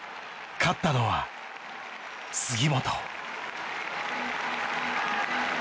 勝ったのは杉本。